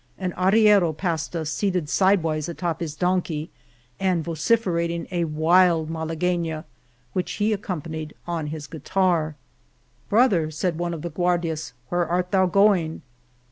An arriero passed us seated side wise atop his donkey and vociferating a wild malaguena which he accompanied on his guitar. 238 Venta de Cardenas " Brother," said one of the Guardias^ " where art thou going